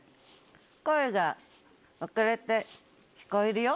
声が遅れて聞こえるよ。